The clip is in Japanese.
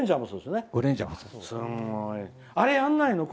あれやらないの？